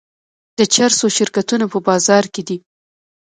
د چرسو شرکتونه په بازار کې دي.